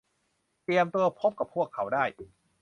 เตรียมตัวพบกับพวกเขาได้